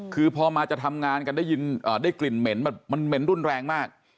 คือพอมาจะทำงานได้ยินเกลียดแรงมาก